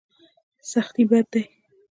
سختي بد دی.